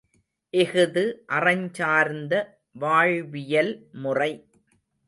இஃது அறஞ்சார்ந்த வாழ்வியல் முறை.